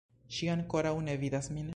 Ŝi ankoraŭ ne vidas min